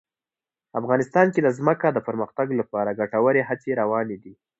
افغانستان کې د ځمکه د پرمختګ لپاره ګټورې هڅې روانې دي.